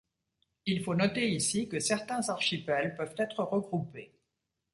Il faut noter ici que certains archipels peuvent être regroupés.